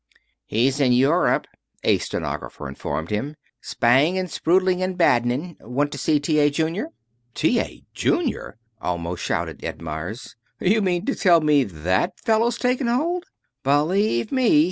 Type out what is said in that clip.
"He's in Europe," a stenographer informed him, "spaing, and sprudeling, and badening. Want to see T. A. Junior?" "T. A. Junior!" almost shouted Ed Meyers. "You don't mean to tell me that fellow's taken hold " "Believe me.